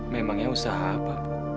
memangnya usaha apa